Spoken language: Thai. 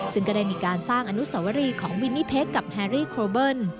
ซึ่งก็ได้มีการสร้างอนุสวรีของวินนี่เค้กกับแฮรี่โครเบิ้ล